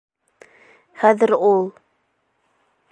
Хәҙер ул: